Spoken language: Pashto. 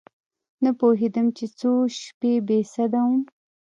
نه پوهېدم چې څو شپې بې سده وم.